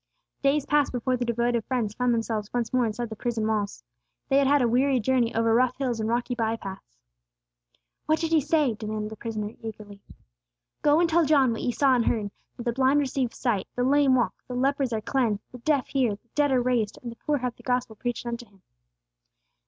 '" Days passed before the devoted friends found themselves once more inside the prison walls. They had had a weary journey over rough hills and rocky by paths. "What did He say?" demanded the prisoner, eagerly. "Go and tell John what ye saw and heard: that the blind receive sight; the lame walk; the lepers are cleansed; the deaf hear; the dead are raised; and the poor have the gospel preached unto them."